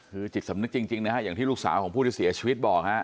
คือจิตสำนึกจริงนะฮะอย่างที่ลูกสาวของผู้ที่เสียชีวิตบอกฮะ